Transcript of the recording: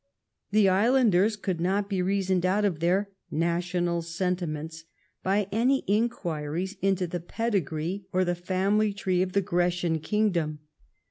The islanders could not be reasoned out of their national sentiments by any inquiries into the pedigree or the family tree of the Grecian Kingdom.